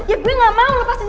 ya gue gak mau lepasin gue